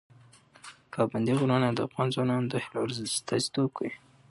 پابندی غرونه د افغان ځوانانو د هیلو استازیتوب کوي.